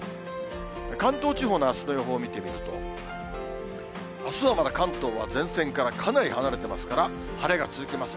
関東地方のあすの予報見てみると、あすはまだ関東は前線からかなり離れてますから、晴れが続きます。